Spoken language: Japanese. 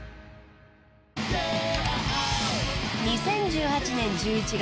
［２０１８年１１月。